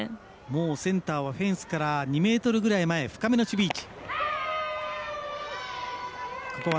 センターをフェンスから２ｍぐらいまえ、深めの守備位置。